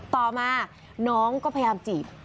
ต่อมาน้องก็พยายามจีบ